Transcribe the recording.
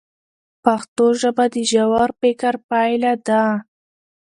پښتو ژبه د ژور فکر پایله ده.